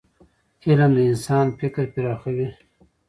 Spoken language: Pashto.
علم د انسان فکر پراخوي.